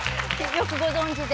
よくご存じで。